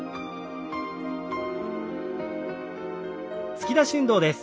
突き出し運動です。